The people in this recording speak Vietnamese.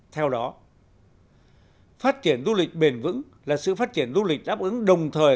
theo đó phát triển du lịch bền vững là sự phát triển du lịch đáp ứng đồng thời